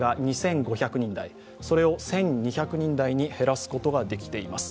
それを１２００人台に減らすことができています。